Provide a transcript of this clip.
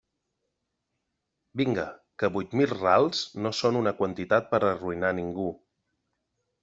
Vinga, que huit mil rals no són una quantitat per a arruïnar a ningú.